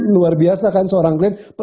luar biasa kan seorang klend